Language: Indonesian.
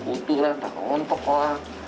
utuh kan takut ngontok lah